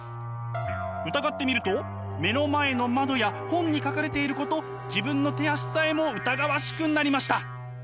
疑ってみると目の前の窓や本に書かれていること自分の手足さえも疑わしくなりました。